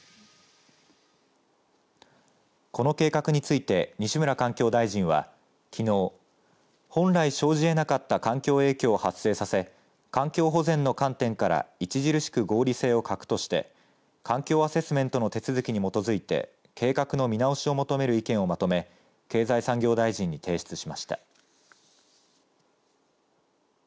この計画について西村環境大臣はきのう、本来生じえなかった環境影響を発生させ環境保全の観点から著しく合理性を欠くとして環境アセスメントの手続きに基づいて計画の見直しを求める意見をまとめ経済産業大臣に提出しました。